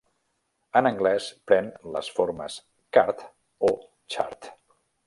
En anglès, pren les formes "card" o "chart".